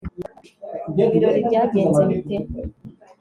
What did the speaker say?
ibirori byagenze bite